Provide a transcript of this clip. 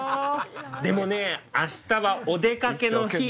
でもね明日はお出掛けの日。